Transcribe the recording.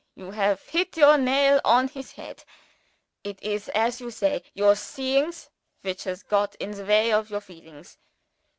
You have hit your nail on his head. It is, as you say, your seeings which has got in the way of your feelings.